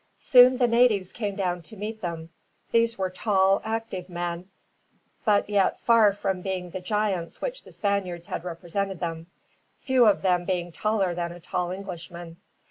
Soon the natives came down to meet them. These were tall, active men, but yet far from being the giants which the Spaniards had represented them, few of them being taller than a tall Englishman.